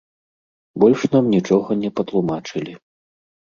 Больш нам нічога не патлумачылі.